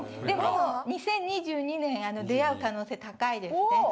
でも２０２２年出会う可能性高いですね。